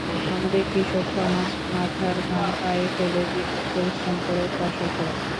আমাদের কৃষক সমাজ মাথার ঘাম পায়ে ফেলে দিনরাত পরিশ্রম করে ফসল ফলায়।